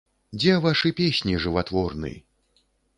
Дзе вашы песні жыватворны?